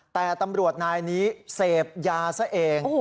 แต่ตำรวจนายนี้เศพยาเส้ง